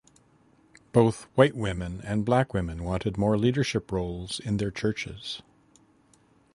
Both white women and black women wanted more leadership roles in their churches.